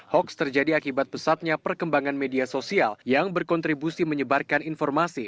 hoaks terjadi akibat pesatnya perkembangan media sosial yang berkontribusi menyebarkan informasi